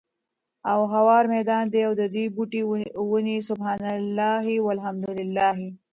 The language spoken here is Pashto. او هوار ميدان دی، او ددي بوټي وني سُبْحَانَ اللهِ، وَالْحَمْدُ للهِ